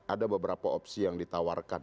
ada beberapa opsi yang ditawarkan